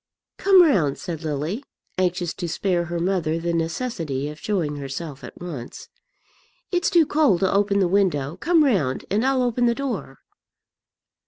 "Come round," said Lily, anxious to spare her mother the necessity of showing herself at once. "It's too cold to open the window; come round, and I'll open the door."